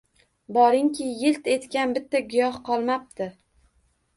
Boringki, yilt etgan bitta giyoh qolmabdi.